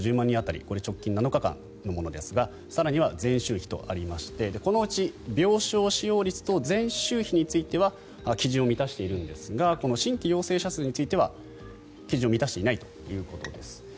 人当たりこれ、直近７日間のものですが更には前週比とありましてこのうち病床使用率と前週比については基準を満たしているんですが新規陽性者数については基準を満たしていないということです。